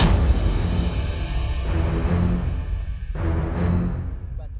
aku akan membunuhnya